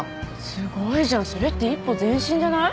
すごいじゃんそれって一歩前進じゃない？